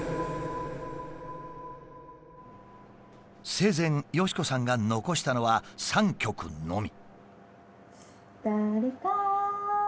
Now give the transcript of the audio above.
生前敏子さんが残したのは３曲のみ。